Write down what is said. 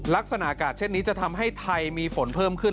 ลักษณะอากาศเช่นนี้จะทำให้ไทยมีฝนเพิ่มขึ้น